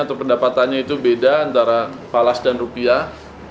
atau pendapatannya itu beda antara palas dan rupiah